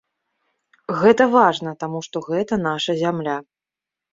Гэта важна, таму што гэта наша зямля.